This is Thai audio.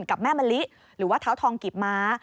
กับแม่มะลิหรือว่าเท้าทองกิบม้า